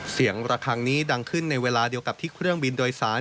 เสียงระคังนี้ดังขึ้นในเวลาเดียวกับที่เครื่องบินโดยสาร